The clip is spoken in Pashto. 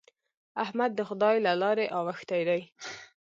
احمد د خدای له لارې اوښتی دی.